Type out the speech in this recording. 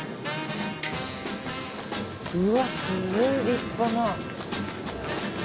うわっすごい立派な。